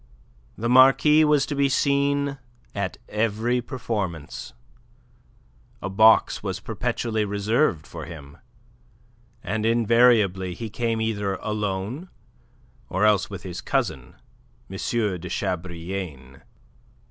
The Marquis was to be seen at every performance; a box was perpetually reserved for him, and invariably he came either alone or else with his cousin M. de Chabrillane.